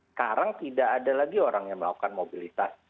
sekarang tidak ada lagi orang yang melakukan mobilitas